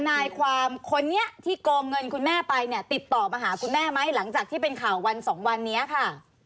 นายความคนนี้ที่โกงเงินคุณแม่ไปเนี่ยติดต่อมาหาคุณแม่ไหมหลังจากที่เป็นข่าววันสองวันนี้ค่ะ